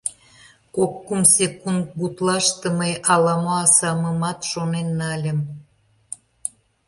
Кок-кум секунд гутлаште мый ала-мо асамымат шонен нальым.